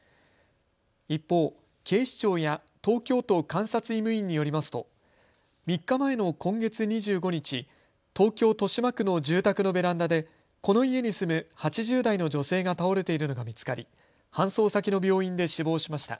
一方、警視庁や東京都監察医務院によりますと３日前の今月２５日、東京豊島区の住宅のベランダでこの家に住む８０代の女性が倒れているのが見つかり搬送先の病院で死亡しました。